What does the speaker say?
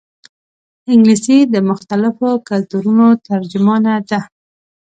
انګلیسي د مختلفو کلتورونو ترجمانه ده